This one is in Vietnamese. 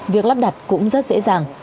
việc lắp đặt cũng rất dễ dàng